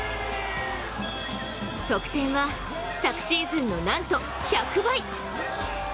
得点は昨シーズンのなんと１００倍！